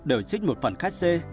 đều trích một phần khách xê